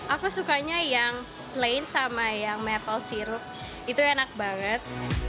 aku sukanya yang plain sama yang metal sirup itu enak banget